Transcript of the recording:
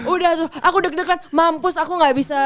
udah tuh aku deg degan mampus aku gak bisa